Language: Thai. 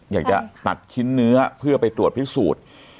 อยากจะตัดชิ้นเนื้อเพื่อไปตรวจพิสูจน์